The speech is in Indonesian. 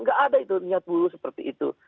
nggak ada itu niat buruh seperti itu